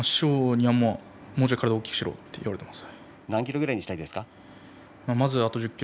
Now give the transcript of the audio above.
もう少し体を大きくしろと言われています。